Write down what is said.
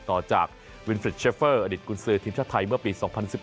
ต่อจากวินฟริชเชฟเฟอร์อดีตกุญสือทีมชาติไทยเมื่อปี๒๐๑๘